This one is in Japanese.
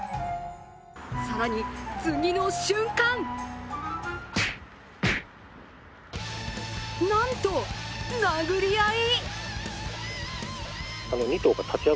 更に次の瞬間なんと、殴り合い？！